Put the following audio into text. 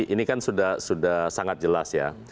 ini kan sudah sangat jelas ya